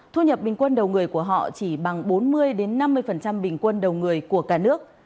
thu nhập bình quân đầu người của họ chỉ bằng bốn mươi năm mươi bình quân đầu người của cả nước